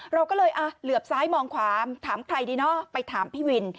เราก็เลยเหลือบซ้ายมองขวาถามใครดีเนาะไปถามพี่วิน